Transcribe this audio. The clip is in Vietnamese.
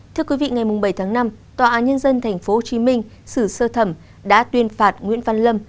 thưa quý vị ngày bảy tháng năm tòa án nhân dân tp hcm xử sơ thẩm đã tuyên phạt nguyễn văn lâm